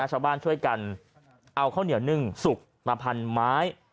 ชาวบ้านช่วยกันเอาข้าวเหนียวนึ่งสุกมาพันไม้